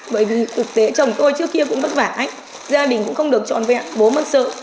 bởi vì thực tế chồng tôi trước kia cũng bất vả gia đình cũng không được tròn vẹn bố mất sợ